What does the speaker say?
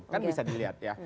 kan bisa dilihat ya